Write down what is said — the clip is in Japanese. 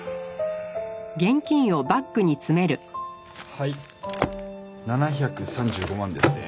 はい７３５万ですね。